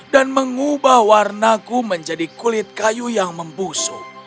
dan mengubah warnaku menjadi kulit kayu yang membusuk